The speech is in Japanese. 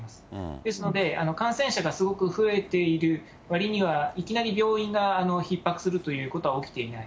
ですので、感染者がすごく増えているわりには、いきなり病院がひっ迫するということは起きていない。